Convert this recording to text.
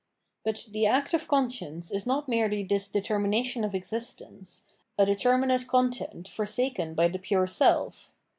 But the act of conscience is not merely this deter mination of existence, a determinate content forsaken by the pure self.